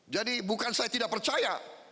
jadi bukan saya tidak percaya